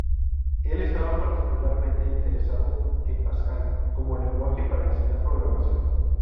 Él estaba particularmente interesado en Pascal como lenguaje para enseñar programación.